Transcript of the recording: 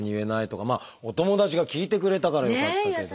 お友達が聞いてくれたからよかったけど。